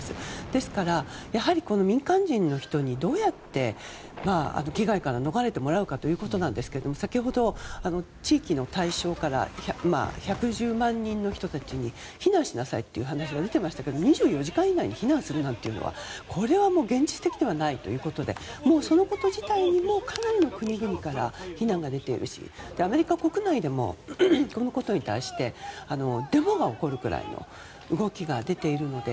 ですから、やはり民間人にどうやって危害から逃れてもらうかですが先ほど、地域の対象から１１０万人の人たちに避難しなさいという話が出ていましたけど２４時間以内に避難するなんてこれは現実的ではないということでそのこと自体にもかなりの国々から非難が出ているしアメリカ国内でもこのことに対してデモが起こるくらいの動きが出ているので。